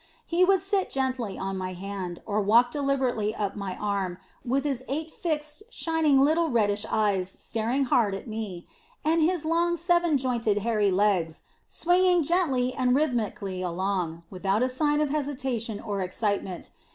He would sit gently on my hand, or walk deliberately up my arm, with his eight, fixed, shining, little reddish eyes staring hard at me, and his long seven jointed hairy legs swinging gently and rhythmically along, without a sign of hesitation or excitement.